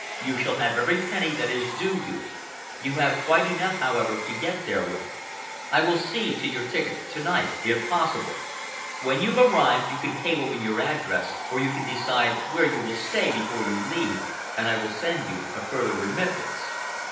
You shall have every penny that is due to you. You have quite enough, however, to get there with. I will see to your ticket to night, if possible. When you've arrived you can cable me your address, or you can decide where you will stay before you leave, and I will send you a further remittance."